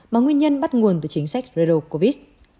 mà nguyên nhân bắt nguồn từ chính sách covid một mươi chín